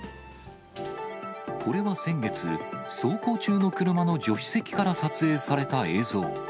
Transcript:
これは先月、走行中の車の助手席から撮影された映像。